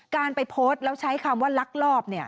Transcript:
การไปโพสต์แล้วใช้คำว่าลักลอบ